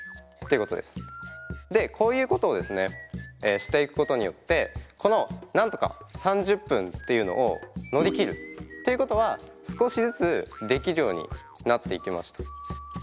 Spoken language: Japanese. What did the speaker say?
でこういうことをですねしていくことによってこの何とか３０分っていうのをのりきるっていうことは少しずつできるようになっていきました。